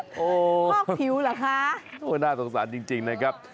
โอ้โหคอกผิวเหรอคะโอ้น่าสงสารจริงนะครับ